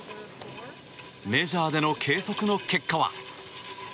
メジャーでの計測の結果は。